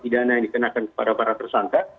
pasal pidana yang dikenakan kepada para tersangka